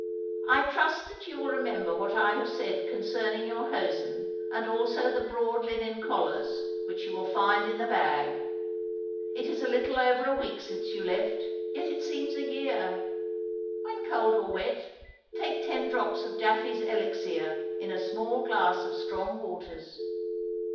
I trust that you will remember what I have said concerning your hosen and also the broad linen collars, which you will find in the bag. It is little over a week since you left, yet it seems a year. When cold or wet, take ten drops of Daffy's elixir in a small glass of strong waters.